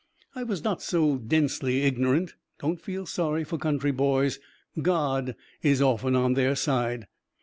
I was not so densely ignorant don't feel sorry for country boys: God is often on their side.